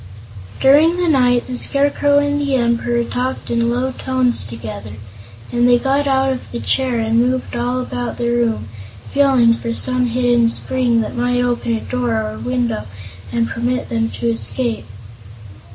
During the night the Scarecrow and the Emperor talked in low tones together, and they got out of the chair and moved all about the room, feeling for some hidden spring that might open a door or window and permit them to escape.